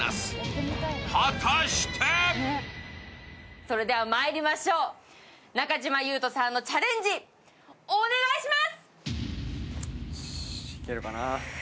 それではまいりましょう、中島裕翔さんのチャレンジ、お願いします。